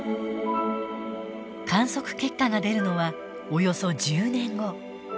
観測結果が出るのはおよそ１０年後。